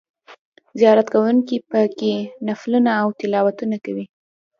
زیارت کوونکي په کې نفلونه او تلاوتونه کوي.